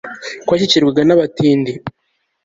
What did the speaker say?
ko washyikirwaga n'abatindi